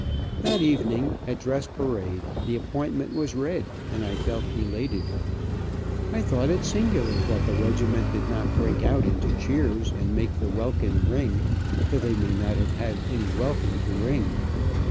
That evening at dress parade the appointment was read, and I felt elated. I thought it singular that the regiment did not break out into cheers, and make the welkin ring, though they may not have had any welkin to ring.